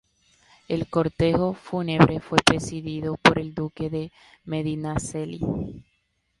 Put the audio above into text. El cortejo fúnebre fue presidido por el duque de Medinaceli.